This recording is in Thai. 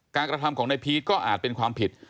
กระทำของนายพีชก็อาจเป็นความผิด